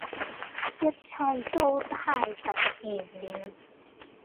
一切都太突然了